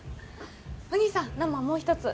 おにいさん生もう一つ！